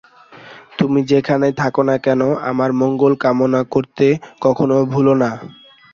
তুমি যেখানেই থাক না কেন, আমার মঙ্গলকামনা করতে কখনও ভুলো না।